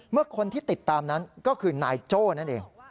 เมื่อคนที่ติดตามนั้นก็คือนายโจ้นั่นเอง